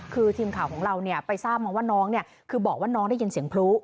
คือทีมข่าวของเราไปทราบมาว่าน้องคือบอกว่าน้องได้ยินเสียงพลุ